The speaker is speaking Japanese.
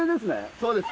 そうです。